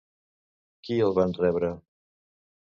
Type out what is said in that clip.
Qui el van rebre?